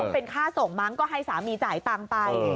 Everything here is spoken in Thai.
เป็นค่าส่งมั้งก็ให้สามีจ่ายตังค์ไป